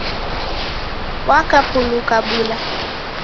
Wakupula bula